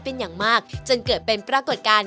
เป็นอย่างมากจนเกิดเป็นปรากฏการณ์